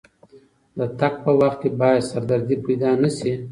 د تګ په وخت کې باید سردردي پیدا نه شي.